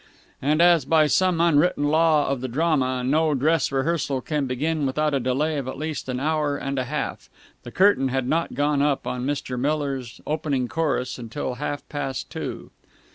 And, as by some unwritten law of the drama no dress rehearsal can begin without a delay of at least an hour and a half, the curtain had not gone up on Mr. Miller's opening chorus till half past two.